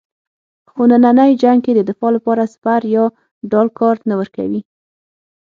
خو نننی جنګ کې د دفاع لپاره سپر یا ډال کار نه ورکوي.